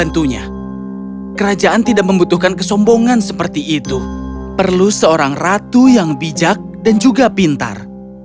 tentunya kerajaan tidak membutuhkan kesombongan seperti itu perlu seorang ratu yang bijak dan juga pintar